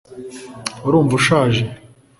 urumva ushaje